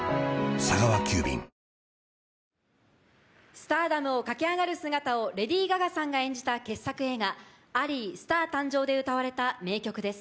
スターダムを駆け上がる姿をレディー・ガガさんが演じた傑作映画『アリー／スター誕生』で歌われた名曲です。